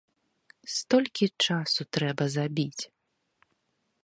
Столькі часу трэба забіць!